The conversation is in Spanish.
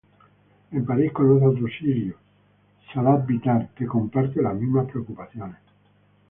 En París conoce a otro sirio, Salah Bitar, que comparte las mismas preocupaciones.